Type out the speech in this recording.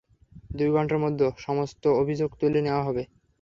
দুই ঘন্টার মধ্যে সমস্ত অভিযোগ তুলে নেওয়া হবে।